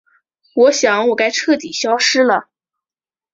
我想我该彻底消失了。